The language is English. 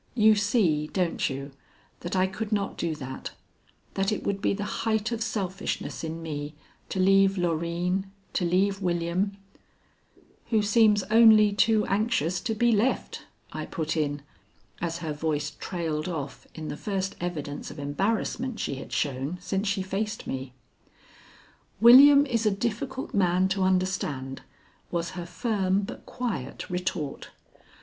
You see, don't you, that I could not do that; that it would be the height of selfishness in me to leave Loreen to leave William " "Who seems only too anxious to be left," I put in, as her voice trailed off in the first evidence of embarrassment she had shown since she faced me. "William is a difficult man to understand," was her firm but quiet retort.